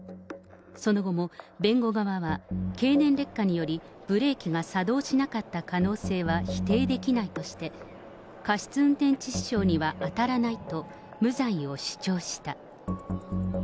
その後も弁護側は、経年劣化により、ブレーキが作動しなかった可能性は否定できないとして、過失運転致死傷には当たらないと、無罪を主張した。